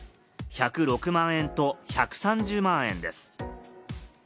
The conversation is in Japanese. １０６万円と１３０万円です。